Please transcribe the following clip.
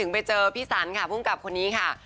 ไปเจอพี่สันค่ะภูมิกับคนนี้ค่ะ